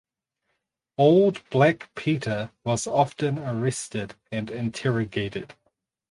Old Black Peter was often arrested and interrogated.